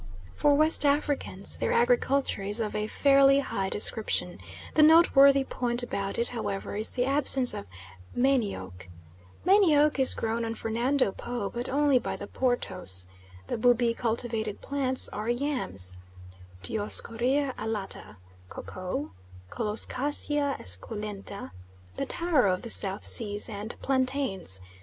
For West Africans their agriculture is of a fairly high description the noteworthy point about it, however, is the absence of manioc. Manioc is grown on Fernando Po, but only by the Portos. The Bubi cultivated plants are yams (Dioscorea alata), koko (Colocasia esculenta the taro of the South Seas,) and plantains.